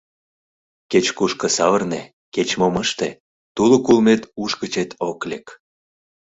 Кеч-кушко савырне, кеч-мом ыште — тулык улмет уш гычет ок лек.